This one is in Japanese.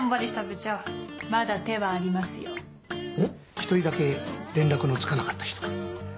一人だけ連絡のつかなかった人が。